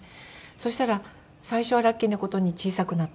そしたら最初はラッキーな事に小さくなって。